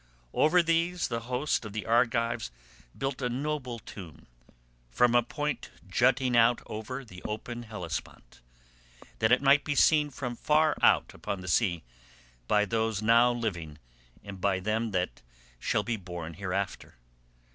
"Over these the host of the Argives built a noble tomb, on a point jutting out over the open Hellespont, that it might be seen from far out upon the sea by those now living and by them that shall be born hereafter.